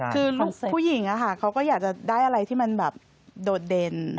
คือผู้หญิงเขาก็อยากจะได้อะไรที่มันแบบโดดเด่น